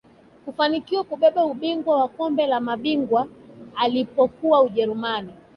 kufanikiwa kubeba ubingwa wa kombe la mabingwa alipokuwa ujerumani